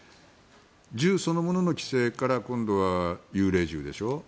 銃そのものの規制から今度は幽霊銃でしょう。